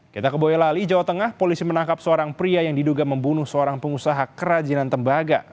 kita ke boyolali jawa tengah polisi menangkap seorang pria yang diduga membunuh seorang pengusaha kerajinan tembaga